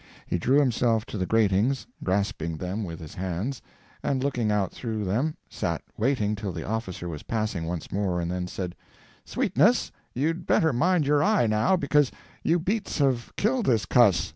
He drew himself to the gratings, grasping them with his hands, and looking out through them, sat waiting till the officer was passing once more, and then said: "Sweetness, you'd better mind your eye, now, because you beats have killed this cuss.